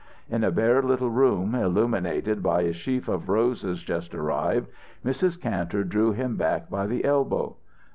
In a bare little room, illuminated by a sheaf of roses just arrived, Mrs. Kantor drew him back by the elbow.